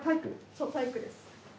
そう体育です。